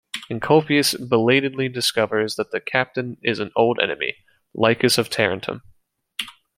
Encolpius belatedly discovers that the captain is an old enemy, Lichas of Tarentum.